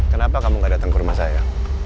kenapa kamu gak datang ke rumah saya